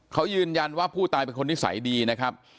เขายืนยันว่าผู้ตายเป็นคนนิสัยดีนะครับ